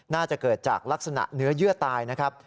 น่าจะเกิดจากลักษณะเนื้อเยื่อตายนะครับ